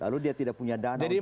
lalu dia tidak punya dana untuk